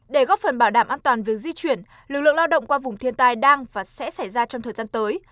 để góp phần bảo đảm an toàn việc di chuyển lực lượng lao động qua vùng thiên tai đang và sẽ xảy ra trong thời gian tới